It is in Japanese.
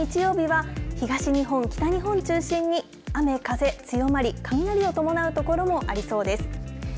あさって日曜日は東日本、北日本中心に雨風強まり雷を伴う所もありそうです。